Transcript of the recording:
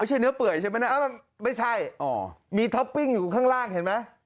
เนื้อเปื่อยใช่ไหมนะไม่ใช่มีท็อปปิ้งอยู่ข้างล่างเห็นไหม